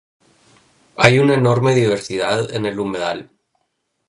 Hay una enorme diversidad en el humedal.